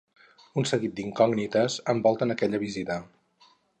Un seguit d'incògnites envolten aquella visita.